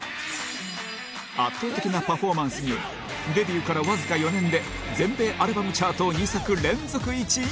圧倒的なパフォーマンスにデビューからわずか４年で全米アルバムチャート２作連続１位を獲得！